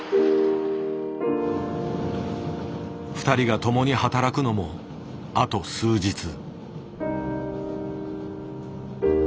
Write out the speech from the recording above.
２人が共に働くのもあと数日。